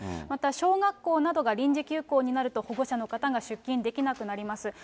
また小学校などが臨時休校になると保護者の方が出勤できなくなります。